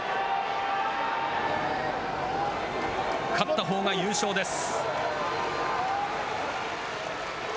勝ったほうが優勝です。